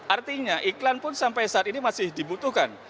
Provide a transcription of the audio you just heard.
artinya iklan pun sampai saat ini masih dibutuhkan